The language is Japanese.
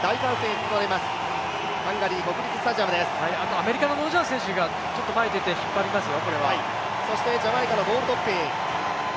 アメリカのロジャーズ選手がちょっと前に出て、引っ張りますよ。